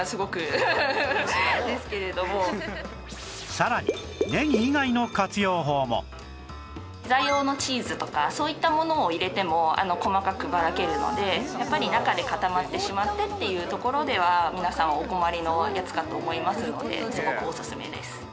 さらにねぎ以外の活用法もピザ用のチーズとかそういったものを入れても細かくばらけるのでやっぱり中で固まってしまってっていうところでは皆さんお困りのやつかと思いますのですごくおすすめです。